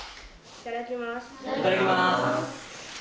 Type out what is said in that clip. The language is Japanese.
いただきます。